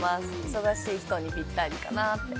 忙しい人にぴったりかなって。